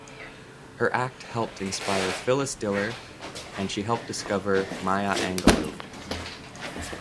Her act helped inspire Phyllis Diller and she helped discover Maya Angelou.